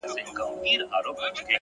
د باران پرمهال هره شېبه بدل شکل اخلي.